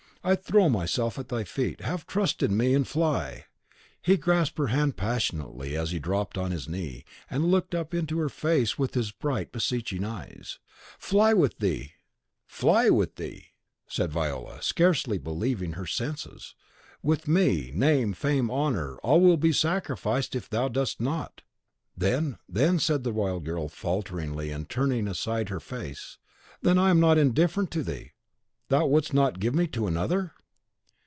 I throw myself at thy feet; have trust in me, and fly." He grasped her hand passionately as he dropped on his knee, and looked up into her face with his bright, beseeching eyes. "Fly with thee!" said Viola, scarce believing her senses. "With me. Name, fame, honour, all will be sacrificed if thou dost not." "Then then," said the wild girl, falteringly, and turning aside her face, "then I am not indifferent to thee; thou wouldst not give me to another?"